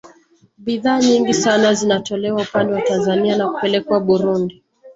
Bidhaa nyingi sana zinatolewa upande wa Tanzania na kupelekwa Burundi